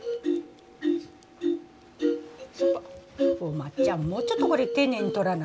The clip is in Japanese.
まっちゃんもうちょっとこれ丁寧に取らな。